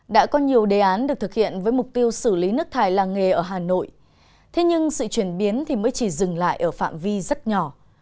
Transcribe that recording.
đã có nhiều đề án được thực hiện với mục tiêu xử lý nước thải làng nghề ở hà nội thế nhưng sự chuyển biến thì mới chỉ dừng lại ở phạm vi rất nhỏ